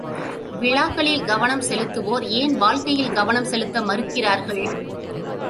விழாக்களில் கவனம் செலுத்துவோர் ஏன் வாழ்க்கையில் கவனம் செலுத்த மறுக்கிறார்கள்?